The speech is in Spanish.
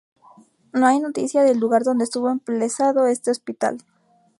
No hay noticia del lugar donde estuvo emplazado este hospital.